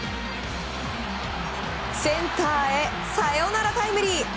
センターへサヨナラタイムリー！